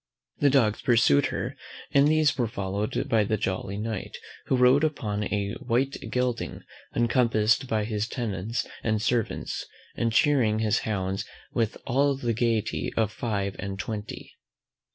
The dogs pursued her, and these were followed by the jolly Knight, who rode upon a white gelding, encompassed by his tenants and servants, and chearing his hounds with all the gaiety of five and twenty.